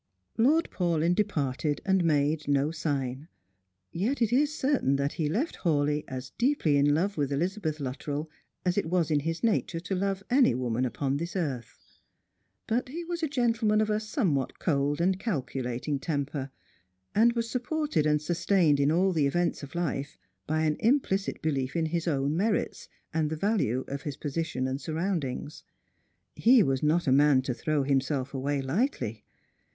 Lord Paulyn departed and made no sign : yet it is certain that he left Hawleigh as deeply in love with Elizabeth Luttrell as it was in his nature to love any woman upon this earth. But he was a gentleman of a somewhat cold and calculating temper, and was supported and sustained in all the events of life by an implicit belief in his own merits, and the value of his position and surroundings. He was not a man to throw himself away lightly.